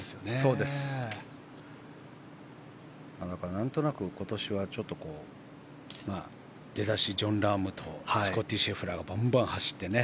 何となく、今年はちょっと出だしは、ジョン・ラームとスコッティ・シェフラーがバンバン走って。